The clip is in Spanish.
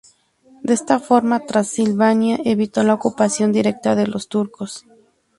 De esta forma, Transilvania evitó la ocupación directa de los turcos.